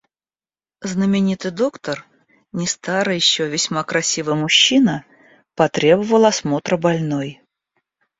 Знаменитый доктор, не старый еще, весьма красивый мужчина, потребовал осмотра больной.